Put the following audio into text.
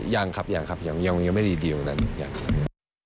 อ๋อยังครับยังไม่ดีอย่างนั้น